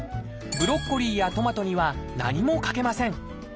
ブロッコリーやトマトには何もかけません。